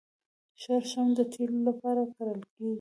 شړشم د تیلو لپاره کرل کیږي.